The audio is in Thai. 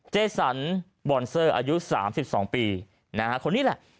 เจสันบอนเซอร์อายุ๓๒ปีนะฮะคนนี้แหละ